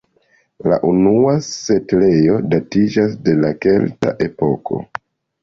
La unua setlejo datiĝas de la kelta epoko.